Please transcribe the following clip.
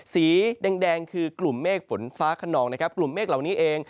สีแดงคือกลุ่มเมฆฝนฟ้าขนองนะครับกลุ่มเมฆเหล่านี้เอง